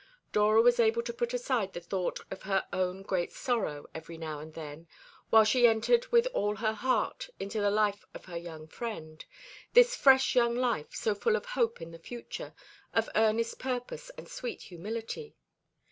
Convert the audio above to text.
Dora was able to put aside the thought of her own great sorrow every now and then, while she entered with all her heart into the life of her young friend this fresh young life, so full of hope in the future, of earnest purpose and sweet humility.